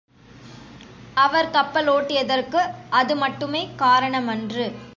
அவர் கப்பலோட்டியதற்கு அது மட்டுமே காரணமன்று.